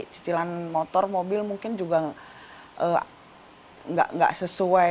cicilan motor mobil mungkin juga nggak sesuai